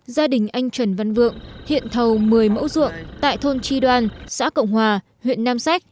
gia đình anh trần văn vượng hiện thầu một mươi mẫu ruộng tại thôn tri đoan xã cộng hòa huyện nam sách